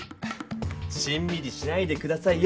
しんみりしないで下さいよ。